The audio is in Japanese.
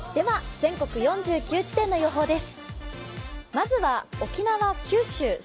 全国４９地点の予報です。